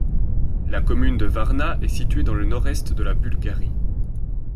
La commune de Varna est située dans le nord-est de la Bulgarie.